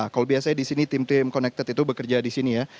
kalau biasanya di sini tim tim connected itu bekerja di sini ya